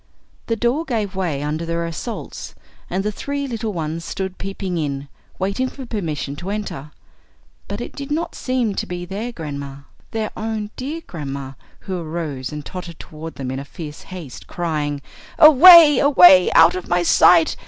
The door gave way under their assaults, and the three little ones stood peeping in, waiting for permission to enter. But it did not seem to be their grandma their own dear grandma who arose and tottered toward them in fierce haste, crying: "Away, away! Out of my sight!